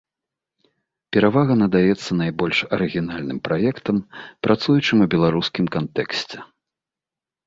Перавага надаецца найбольш арыгінальным праектам, працуючым у беларускім кантэксце.